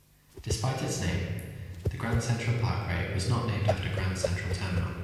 Despite its name, the Grand Central Parkway was not named after Grand Central Terminal.